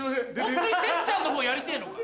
ホントにせんちゃんの方やりてぇのか？